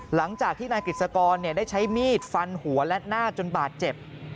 หลังจากที่นายกฤษกรได้ใช้มีดฟันหัวและหน้าจนบาดเจ็บ